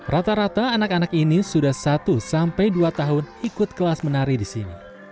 rata rata anak anak ini sudah satu sampai dua tahun ikut kelas menari di sini